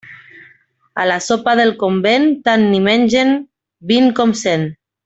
A la sopa del convent tant n'hi mengen vint com cent.